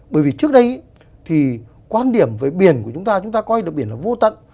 bởi vì trước đây thì quan điểm về biển của chúng ta chúng ta coi được biển là vô tận